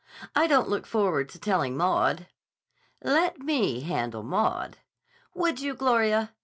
"I don't look forward to telling Maud." "Let me handle Maud." "Would you, Gloria?